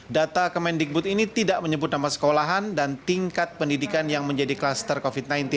data kemendikbud ini tidak menyebut nama sekolahan dan tingkat pendidikan yang menjadi kluster covid sembilan belas